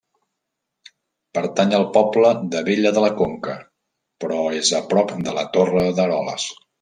Pertany al poble d'Abella de la Conca, però és a prop de la Torre d'Eroles.